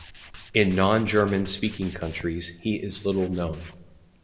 In non-German speaking countries he is little known.